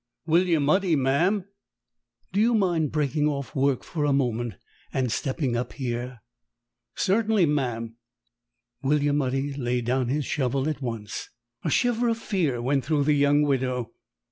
"William Udy, ma'am." "Do you mind breaking off work for a moment and stepping up here?" "Cert'nly, ma'am." William Udy laid down his shovel at once. A shiver of fear went through the young widow.